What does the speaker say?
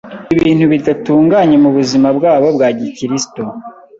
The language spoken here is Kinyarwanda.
ibintu bidatunganye mubuzima bwabo bwa gikristo